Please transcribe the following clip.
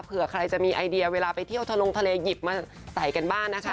เผื่อใครจะมีไอเดียเวลาไปเที่ยวทะลงทะเลหยิบมาใส่กันบ้างนะคะ